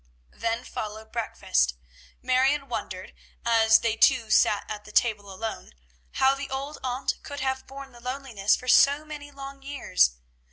Then followed breakfast. Marion wondered, as they two sat at the table alone, how the old aunt could have borne the loneliness for so many long years.